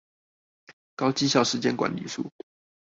高績效時間管理術